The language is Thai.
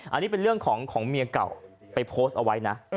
อันนี้เป็นเรื่องของเมียเก่าไปโพสต์เอาไว้นะ